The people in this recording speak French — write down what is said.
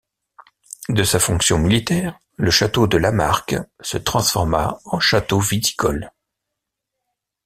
De sa fonction militaire, le château de Lamarque, se transforma en château viticole.